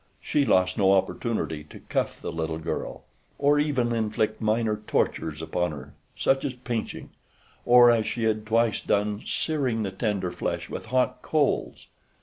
She lost no opportunity to cuff the little girl, or even inflict minor tortures upon her, such as pinching, or, as she had twice done, searing the tender flesh with hot coals.